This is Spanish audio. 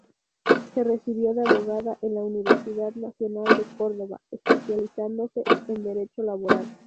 Se recibió de abogada en la Universidad Nacional de Córdoba especializándose en derecho laboral.